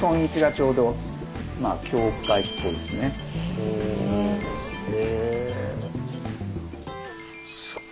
へえ。